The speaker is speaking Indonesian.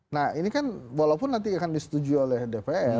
nah ini kan walaupun nanti akan disetujui oleh dpr